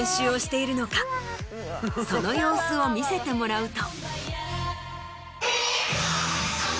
その様子を見せてもらうと。